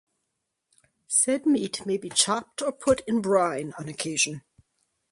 Said meat may be chopped or put in brine on occasion.